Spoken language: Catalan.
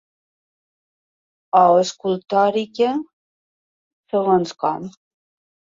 O escultòrica, segons com.